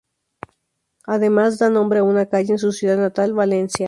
Además, da nombre a una calle en su ciudad natal, Valencia.